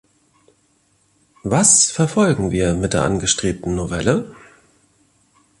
Was verfolgen wir mit der angestrebten Novelle?